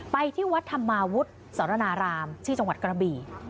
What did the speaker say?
ที่วัดธรรมาวุฒิสรนารามที่จังหวัดกระบี่